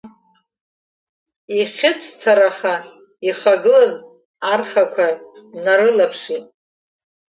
Ихьыҵәцараха ихагылаз ахрақәа днарылаԥшит.